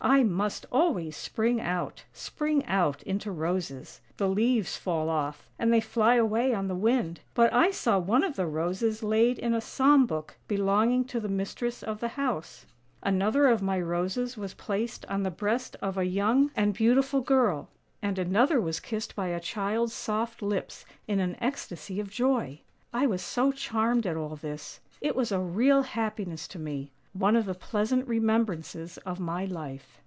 I must always spring out, spring out into roses. The leaves fall off, and they fly away on the wind. But I saw one of the roses laid in a psalm book belonging to the mistress of the house; another of my roses was placed on the breast of a young and u8 ANDERSEN'S FAIRY TALES beautiful girl, and another was kissed by a child's soft lips in an ecstasy of joy. I was so charmed at all this: it was a real happiness to me — one of the pleasant remembrances of my life."